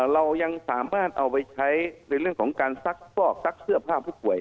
เรายังสามารถเอาไปใช้ในเรื่องของการซักฟอกซักเสื้อผ้าผู้ป่วย